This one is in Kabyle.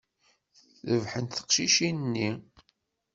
Rebḥent teqcicin-nni.